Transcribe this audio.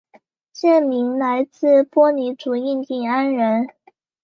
县名来自波尼族印第安人。